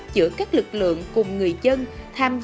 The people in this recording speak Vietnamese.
giữa các lực lượng cùng người dân tham gia nhận khoán bảo vệ rừng